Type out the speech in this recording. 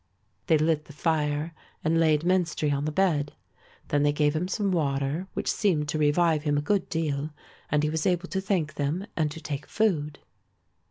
They lit the fire and laid Menstrie on the bed. Then they gave him some water which seemed to revive him a good deal and he was able to thank them and to take food.